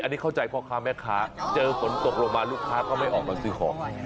อันนี้เข้าใจพ่อค้าแม่ค้าเจอฝนตกลงมาลูกค้าก็ไม่ออกมาซื้อของ